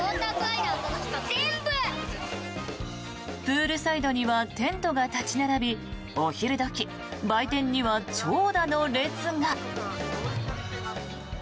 プールサイドにはテントが立ち並びお昼時、売店には長蛇の列が。